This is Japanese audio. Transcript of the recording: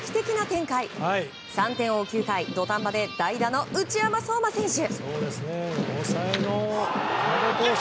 ３点を追う９回土壇場で代打の内山壮真選手。